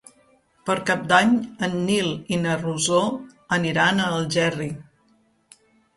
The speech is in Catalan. Per Cap d'Any en Nil i na Rosó aniran a Algerri.